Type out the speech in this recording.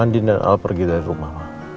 andi dan al pergi dari rumah